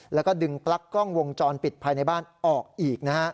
แล้วก็ดึงปลั๊กกล้องวงจรปิดภายในบ้านออกอีกนะฮะ